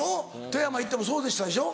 富山行ってもそうでしたでしょ？